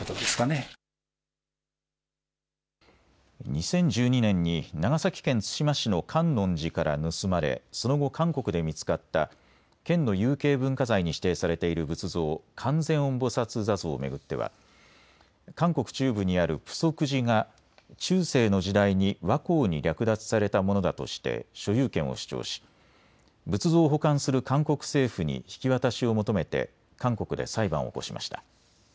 ２０１２年に長崎県対馬市の観音寺から盗まれその後、韓国で見つかった県の有形文化財に指定されている仏像、観世音菩薩坐像を巡っては韓国中部にあるプソク寺が中世の時代に倭寇に略奪されたものだとして所有権を主張し仏像を保管する韓国政府に引き渡しを求めて韓国で裁判を起こしました。